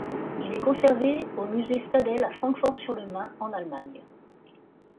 Il est conservé au musée Städel à Francfort-sur-le-Main en Allemagne.